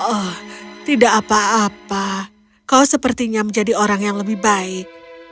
oh tidak apa apa kau sepertinya menjadi orang yang lebih baik